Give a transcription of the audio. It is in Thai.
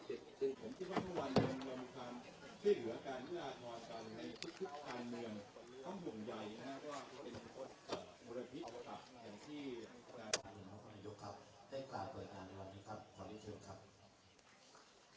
ผมคิดว่าทุกวันนี้มันเป็นความที่เหลือการเวลาทอดกันในทุกทางเมือง